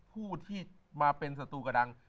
ส่วนที่มาเป็นศัตรูกับดัง